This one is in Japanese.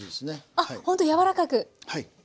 あっほんとやわらかく。